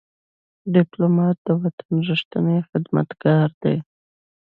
ډيپلومات د وطن ریښتینی خدمتګار دی.